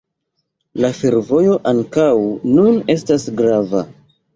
La fervojo ankaŭ nun estas grava.